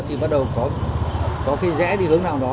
thì bắt đầu có cái rẽ đi hướng nào đó